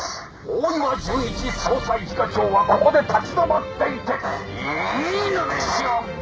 「大岩純一捜査一課長はここで立ち止まっていていいのでしょうか？」